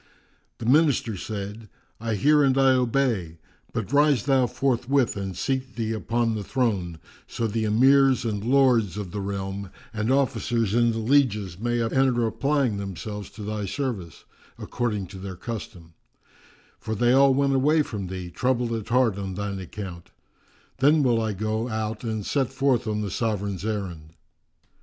The Minister said, "I hear and I obey; but rise thou forthwith and seat thee upon the throne, so the Emirs and Lords of the realm and officers and the lieges may enter applying themselves to thy service, according to their custom; for they all went away from thee, troubled at heart on thine account. Then will I go out and set forth on the Sovran's errand."